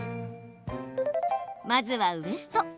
まずはウエスト。